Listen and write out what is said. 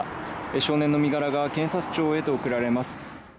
少年の身柄が検察庁へと送られます